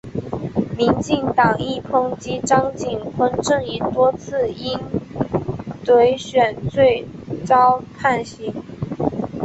民进党亦抨击张锦昆阵营多次因贿选罪遭判刑。